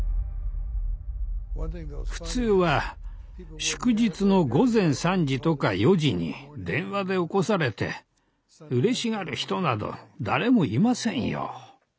普通は祝日の午前３時とか４時に電話で起こされてうれしがる人など誰もいませんよ。